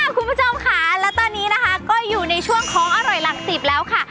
คุณผู้ชมค่ะและตอนนี้นะคะก็อยู่ในช่วงของอร่อยหลักสิบแล้วค่ะ